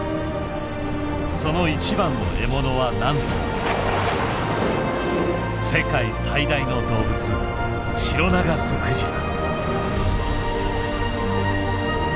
その一番の獲物はなんと世界最大の動物シロナガスクジラ。